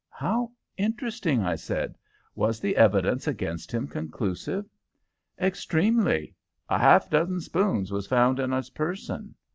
"How interesting!" I said. "Was the evidence against him conclusive?" "Extremely. A half dozen spoons was found on his person."